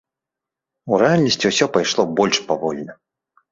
У рэальнасці ўсё пайшло больш павольна.